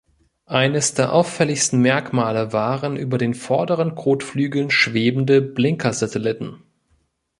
Eines der auffälligsten Merkmale waren über den vorderen Kotflügeln schwebende Blinker-Satelliten.